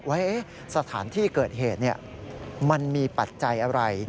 ว่าสถานที่เกิดเหตุมันมีปัจจัยอะไร